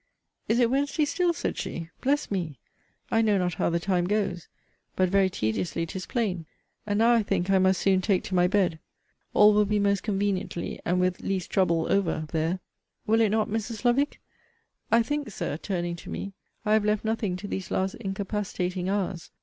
Is it Wednesday still, said she; bless me! I know not how the time goes but very tediously, 'tis plain. And now I think I must soon take to my bed. All will be most conveniently, and with least trouble, over there will it not, Mrs. Lovick? I think, Sir, turning to me, I have left nothing to these last incapacitating hours.